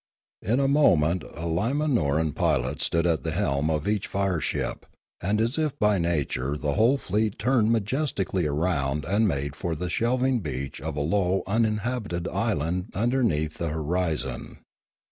In a mo ment a Limanoran pilot stood at the helm of each fire ship; and as if by nature the whole fleet turned majestically round and made for the shelving beach of a low uninhabited island underneath the horizon.